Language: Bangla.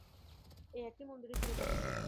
এই একটি মন্দিরই চিরকাল ছিল।